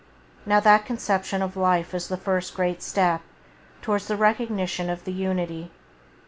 Now that conception of life is the first great step towards the recognition of the unity.